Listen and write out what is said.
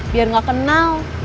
biar gak kenal